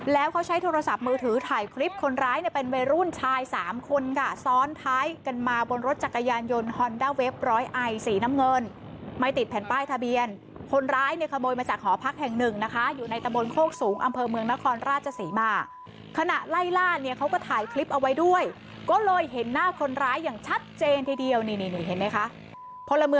แล้วเขาใช้โทรศัพท์มือถือถ่ายคลิปคนร้ายเนี่ยเป็นวัยรุ่นชายสามคนค่ะซ้อนท้ายกันมาบนรถจักรยานยนต์ฮอนด้าเว็บร้อยไอสีน้ำเงินไม่ติดแผ่นป้ายทะเบียนคนร้ายเนี่ยขโมยมาจากหอพักแห่งหนึ่งนะคะอยู่ในตะบนโคกสูงอำเภอเมืองนครราชศรีมาขณะไล่ล่าเนี่ยเขาก็ถ่ายคลิปเอาไว้ด้วยก็เลยเห็นหน้าคนร้ายอย่างชัดเจนทีเดียวนี่นี่เห็นไหมคะ